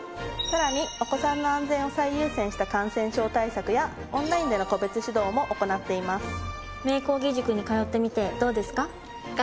さらにお子さんの安全を最優先した感染症対策やオンラインでの個別指導も行っています。